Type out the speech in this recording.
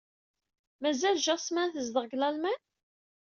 Mazal Jasmin tezdeɣ deg Lalman?